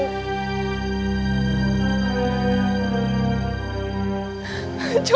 udah terserah sama dia juga